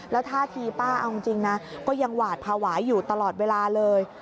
แล้วท่าทีป้าเอาจริงนะก็ยังหวาดภาวะอยู่ตลอดเวลาเลย